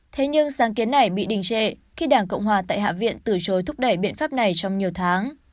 thế nhưng sáng kiến này bị đình trệ khi đảng cộng hòa tại hạ viện từ chối thúc đẩy biện pháp này trong nhiều tháng